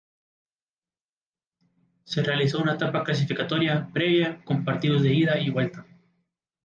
Se realizó una etapa clasificatoria previa con partidos de ida y vuelta.